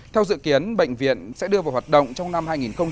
theo dự kiến bệnh viện sẽ đưa vào hoạt động trong năm hai nghìn một mươi bốn